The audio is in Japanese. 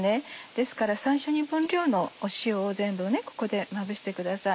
ですから最初に分量の塩を全部ここでまぶしてください。